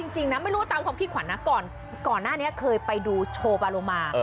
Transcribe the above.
จริงนะไม่รู้ตามความคิดขวัญนะก่อนหน้านี้เคยไปดูโชว์บาโลมา